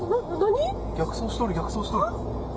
逆走しとる、逆走しとる。